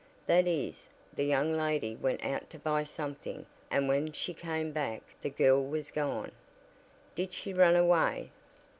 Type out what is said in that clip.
That is, the young lady went out to buy something and when she came back the girl was gone." "Did she run away?"